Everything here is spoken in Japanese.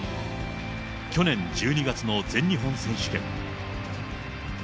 去年１２月の全日本選手権。